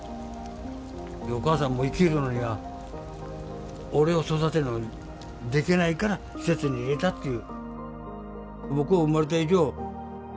お母さんも生きるのには俺を育てるのできないから施設に入れたっていう。